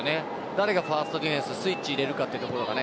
誰がファーストディフェンススイッチ入れるかというところが。